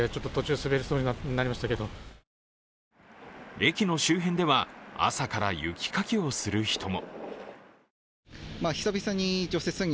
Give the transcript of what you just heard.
駅の周辺では朝から雪かきをする人も。